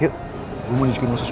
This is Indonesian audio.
yuk gue mau nyusukin lo sesuatu